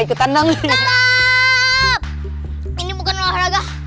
ini bukan olahraga